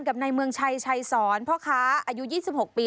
กับในเมืองชายชายศรเพราะค้าอายุ๒๖ปี